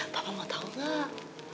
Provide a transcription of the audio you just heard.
papa mau tau gak